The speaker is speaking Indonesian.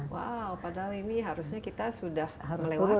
wow padahal ini harusnya kita sudah melewati